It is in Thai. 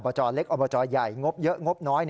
จอเล็กอบจใหญ่งบเยอะงบน้อย